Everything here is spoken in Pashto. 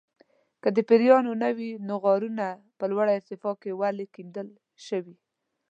که د پیریانو نه وي نو غارونه په لوړه ارتفاع کې ولې کیندل شوي.